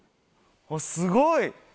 すごい！